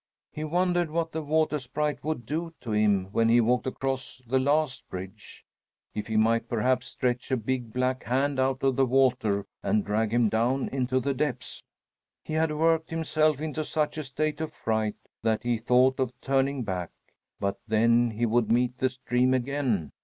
He wondered what the Water Sprite would do to him when he walked across the last bridge if he might perhaps stretch a big black hand out of the water and drag him down into the depths. He had worked himself into such a state of fright that he thought of turning back. But then he would meet the stream again.